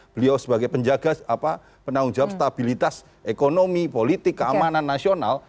beliau sebagai penjaga penanggung jawab stabilitas ekonomi politik keamanan nasional